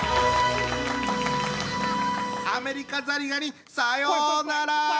アメリカザリガニさようなら！